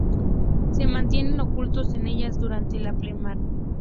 Se mantienen ocultos en ellas durante la pleamar.